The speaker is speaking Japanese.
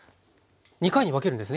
２回に分けるんですね